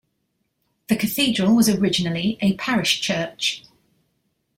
The cathedral was originally a parish church.